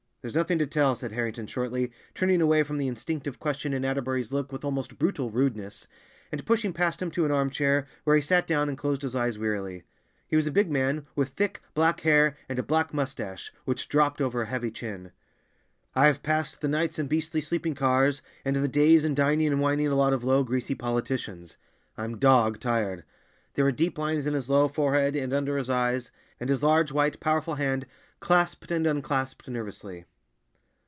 "There's nothing to tell," said Harrington shortly, turning away from the instinctive question in Atterbury's look with almost brutal rudeness, and pushing past him to an armchair, where he sat down and closed his eyes wearily. He was a big man, with thick, black hair, and a black mustache, which dropped over a heavy chin. "I've passed the nights in beastly sleeping cars, and the days in dining and wining a lot of low, greasy politicians. I'm dog tired." There were deep lines in his low forehead and under his eyes—and his large, white, powerful hand clasped and unclasped nervously.